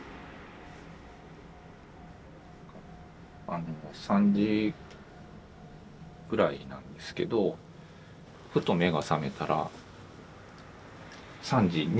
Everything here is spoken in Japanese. あの３時ぐらいなんですけどふと目が覚めたら３時２分だったんですけど。